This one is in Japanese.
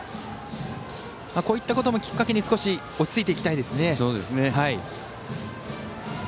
こういったこともきっかけに少し落ち着いていきたいですね。